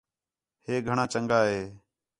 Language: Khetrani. ہے گھݨاں چنڳا ہے